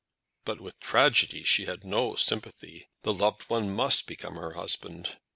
But with tragedy she had no sympathy. The loved one must become her husband.